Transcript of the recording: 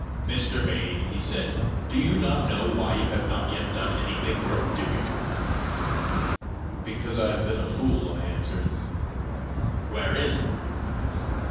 "Mr. Vane," he said, "do you not know why you have not yet done anything worth doing?" "Because I have been a fool," I answered. "Wherein?"